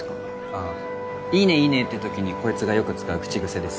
ああ「いいねいいね」って時にこいつがよく使う口癖です。